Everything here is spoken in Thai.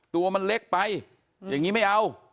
ตัวมันเล็กไปอย่างนี้ไม่เอา